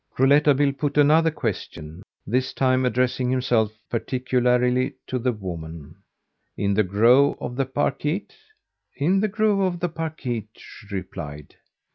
Rouletabille put another question this time addressing himself particularly to the woman: "In the grove of the parquet?" "In the grove of the parquet," she replied.